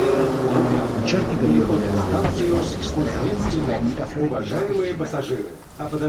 In certi periodi dell'anno si può assistere ad una splendida fioritura effimera.